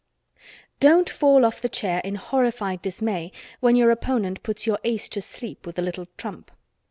Don't fall off the chair in horrified dismay when your opponent puts your ace to sleep with a little trump.